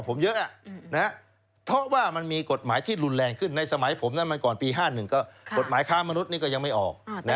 ผมเยอะเพราะว่ามันมีกฎหมายที่รุนแรงขึ้นในสมัยผมนั้นมันก่อนปี๕๑ก็กฎหมายค้ามนุษย์นี่ก็ยังไม่ออก